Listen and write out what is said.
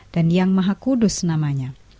dan yang maha kudus namanya